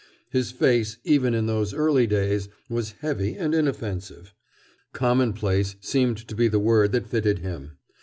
His face, even in those early days, was heavy and inoffensive. Commonplace seemed to be the word that fitted him.